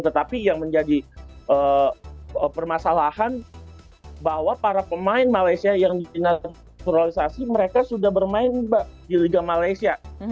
tetapi yang menjadi permasalahan bahwa para pemain malaysia yang dinaturalisasi mereka sudah bermain di liga malaysia